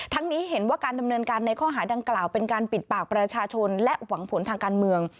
นี้เห็นว่าการดำเนินการในข้อหาดังกล่าวเป็นการปิดปากประชาชนและหวังผลทางการเมือง